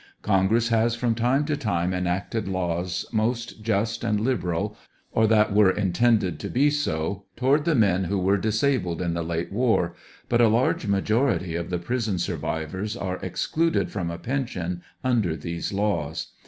Congress has from time to time enacted laws most just and liberal (or that were intended to be so,) toward the men who were disabled in the late war, but a large majority of the prison survivors are ex cluded from a pension under these laws.